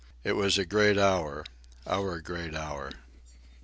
It was a great hour—our great hour.